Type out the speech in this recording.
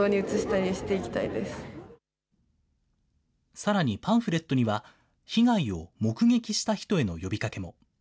さらにパンフレットには、被害を目撃した人への呼びかけも。